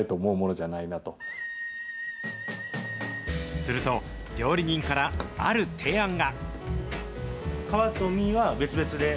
すると、料理人からある提案が。